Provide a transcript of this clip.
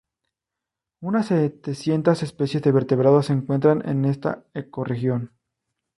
Unas setecientas especies de vertebrados se encuentran en esta ecorregión.